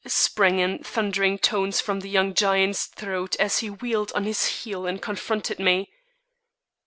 sprang in thundering tones from the young giant's throat as he wheeled on his heel and confronted me.